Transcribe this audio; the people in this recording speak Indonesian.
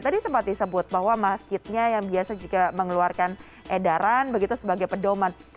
tadi sempat disebut bahwa masjidnya yang biasa juga mengeluarkan edaran begitu sebagai pedoman